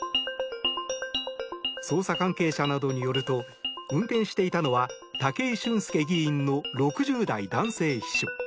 捜査関係者などによると運転していたのは武井俊輔議員の６０代男性秘書。